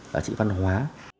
giá trị văn hóa